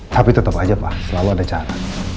tapi tetap aja pak selalu ada cara